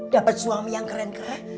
dapat suami yang keren keren